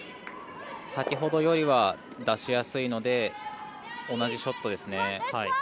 先ほどよりは出しやすいので同じショットですね。